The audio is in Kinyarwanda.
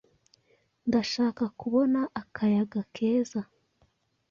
Ndashaka kubona akayaga keza.